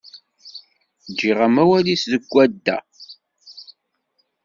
Ǧǧiɣ amawal-is deg wadda.